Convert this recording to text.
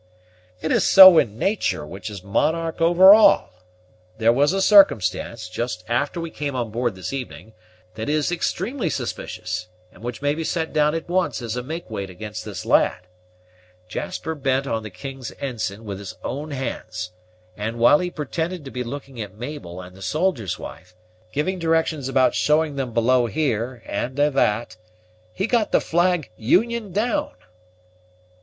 "It is so in nature, which is monarch over all. There was a circumstance, just after we came on board this evening, that is extremely suspicious, and which may be set down at once as a makeweight against this lad. Jasper bent on the king's ensign with his own hands; and, while he pretended to be looking at Mabel and the soldier's wife, giving directions about showing them below here, and a that, he got the flag union down!"